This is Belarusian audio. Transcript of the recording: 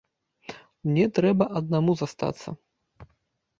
Мне трэба аднаму застацца.